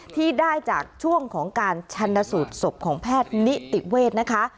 ที่ได้จากช่วงของการชันสูตรศพของแพทย์นิติเวศนะคะ